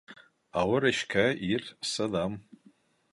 Ауыр эшкә ир сыҙам.